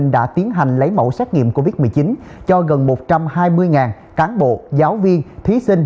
đã tiến hành lấy mẫu xét nghiệm covid một mươi chín cho gần một trăm hai mươi cán bộ giáo viên thí sinh